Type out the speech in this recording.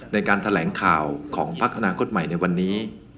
ในการแถลงข่าวของพักอนาคตใหม่ในวันนี้